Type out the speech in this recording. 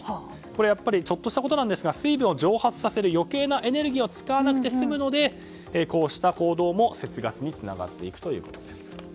これはちょっとしたことですが水分を蒸発させる余計なエネルギーを使わなくて済むのでこうした行動も節ガスにつながっていくということです。